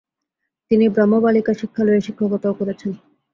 তিনি ব্রাহ্মবালিকা শিক্ষালয়ে শিক্ষকতাও করেছেন।